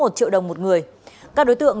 một triệu đồng một người các đối tượng